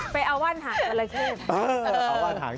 ไปเอาว่านหากตลาดขึ้น